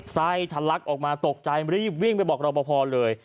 ไส้ทะลักออกมาตกใจรีบวิ่งไปบอกรอปภเลย